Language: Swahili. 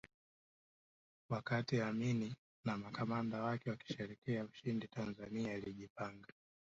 Wakati Amini na makamanda wake wakisherehekea ushindi Tanzania ilijipanga